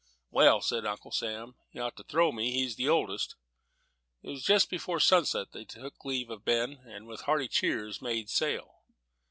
"Well," said Uncle Sam, "he ought to throw me; he's the oldest." Just before sunset they took leave of Ben, and, with hearty cheers, made sail.